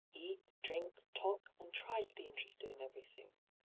Eat, drink, talk, and try to be interested in every thing.